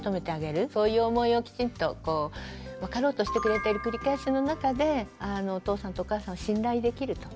そういう思いをきちんと分かろうとしてくれてる繰り返しの中でお父さんとお母さんを信頼できると。